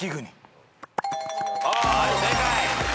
はい正解。